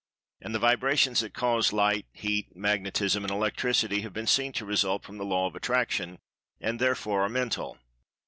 And the vibrations that cause Light, Heat, Magnetism and Electricity have been seen to result from the Law of Attraction, and, therefore, are Mental.